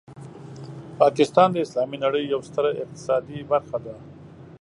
پاکستان د اسلامي نړۍ یوه ستره اقتصادي برخه ده.